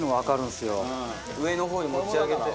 上の方に持ち上げて。